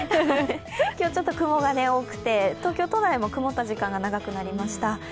今日、ちょっと雲が多くて東京都内も曇った時間が長くなりました。